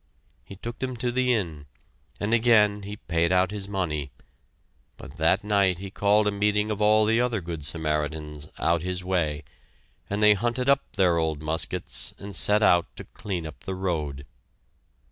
He took them to the inn, and again he paid out his money, but that night he called a meeting of all the other good Samaritans "out his way" and they hunted up their old muskets and set out to clean up the road.